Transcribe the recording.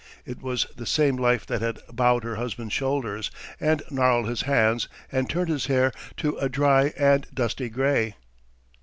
It was the same life that had bowed her husband's shoulders and gnarled his hands and turned his hair to a dry and dusty gray.